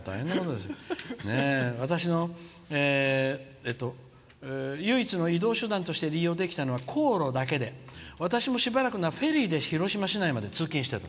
「私の唯一の移動手段として利用できたのは航路だけで、私もしばらくフェリーで広島市内を通勤してた」。